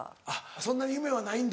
そんなに夢はないんだ。